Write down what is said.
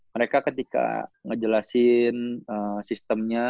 mereka ketika ngejelasin sistemnya